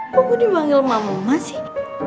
kok gue dibanggil mama mama sih